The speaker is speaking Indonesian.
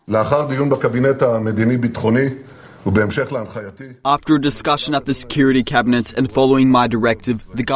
setelah perbincangan di kabinet keamanan dan mengikuti direktif saya